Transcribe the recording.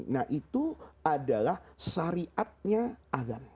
nah itu adalah syariatnya azan